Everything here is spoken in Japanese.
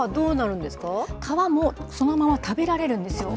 皮もそのまま食べられるんですよ。